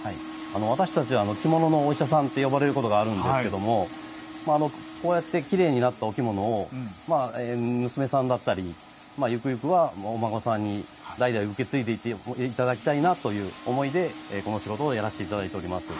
私たちは着物のお医者さんって呼ばれることがあるんですけどもこうやってきれいになったお着物を娘さんだったりゆくゆくはお孫さんに代々受け継いでいっていただきたいなという思いでこの仕事をやらせていただいております。